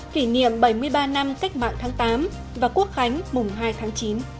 kỷ niệm bảy mươi ba năm cách mạng tháng tám và quốc khánh mùng hai tháng chín